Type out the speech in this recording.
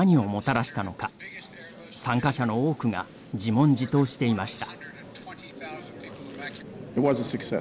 参加者の多くが自問自答していました。